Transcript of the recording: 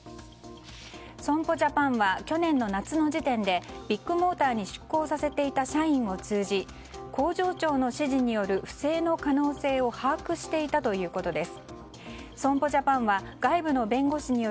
損保ジャパンは去年の夏の時点でビッグモーターに出向させていた社員を通じ工場長の指示による不正の可能性を把握していたということです。